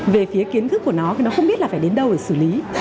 về phía kiến thức của nó thì nó không biết là phải đến đâu để xử lý